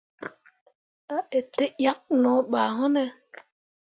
A itǝʼyakke no ɓa wune ?